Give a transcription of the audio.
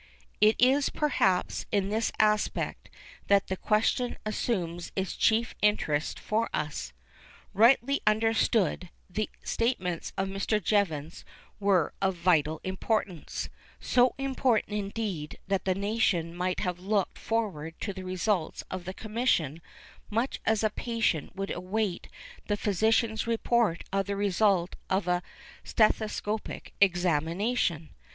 It is, perhaps, in this aspect, that the question assumes its chief interest for us. Rightly understood, the statements of Mr. Jevons were of vital importance; so important, indeed, that the nation might have looked forward to the results of the Commission much as a patient would await the physician's report of the result of a stethoscopic examination.